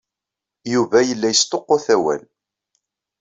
Yuba yella yesṭuqqut awal.